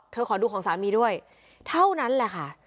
ขอดูของสามีด้วยเท่านั้นแหละค่ะ